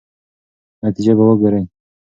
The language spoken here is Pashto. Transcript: نتیجه به ګورئ.